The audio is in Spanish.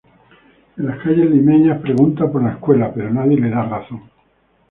En las calles limeñas pregunta por la Escuela pero nadie le da razón.